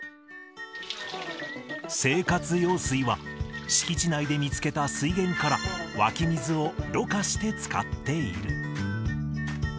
生活用水は敷地内で見つけた水源から湧き水をろ過して使っている。